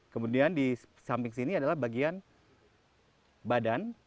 kemudian di samping sini adalah bagian badan